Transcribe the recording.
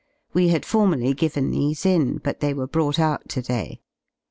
We had formerly given these in, but they were brought out to day.